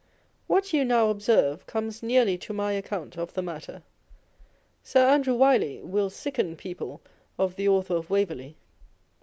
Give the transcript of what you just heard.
What you now observe comes nearly to my account of the matter. Sir Andrew Wylie l will sicken people of the Author of Waverley.